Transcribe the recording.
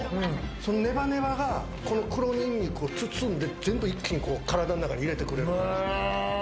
そのネバネバがこの黒にんにくを包んで、全部一気に体の中に入れてくれる。